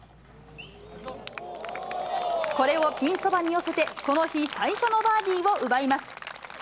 これをピンそばに寄せて、この日、最初のバーディーを奪います。